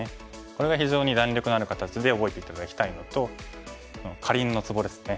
これが非常に弾力のある形で覚えて頂きたいのとカリンのツボですね。